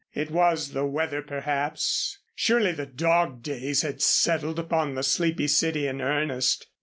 It was the weather, perhaps. Surely the dog days had settled upon the sleepy city in earnest.